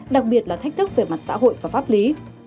đặc biệt là thách thức về mặt xã hội và pháp lý